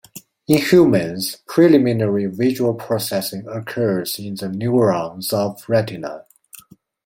In humans, preliminary visual processing occurs in the neurons of the retina.